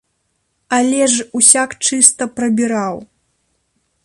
Але ж усяк чыста прабіраў!